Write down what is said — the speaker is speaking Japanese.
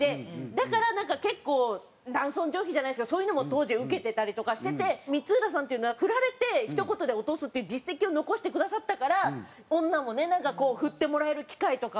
だから結構男尊女卑じゃないですけどそういうのも当時受けてたりとかしてて光浦さんっていうのは振られてひと言で落とすっていう実績を残してくださったから女もねなんかこう振ってもらえる機会とかも得たし。